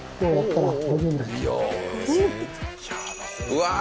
うわ！